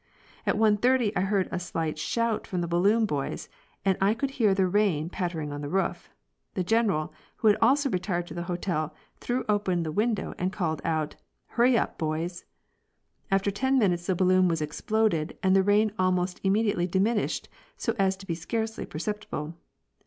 At 1.30 I heard a slight shout from the balloon boys, and I could hear the rain pattering on the roof. The General, who had also retired to the hotel, threw open the window and called out : "Hurry up, boys." After ten minutes the balloon was exploded, and the rain almost imme diately diminished so as to be scarcely perceptible.